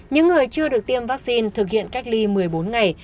những người chưa được tiêm vaccine thực hiện cách ly một mươi bốn ngày